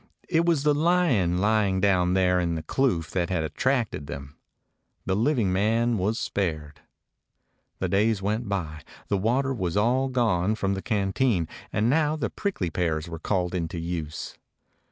It was the lion lying down there in the kloof that had attracted them. The living man was spared. The days went by. The water was all gone from the canteen, and now the prickly pears were called into use.